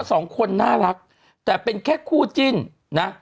สองคนน่ารักแต่เป็นแค่คู่จิ้นนะ